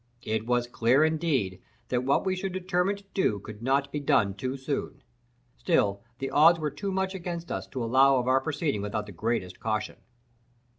It was clear, indeed, that what we should determine to do could not be done too soon. Still the odds were too much against us to allow of our proceeding without the greatest caution.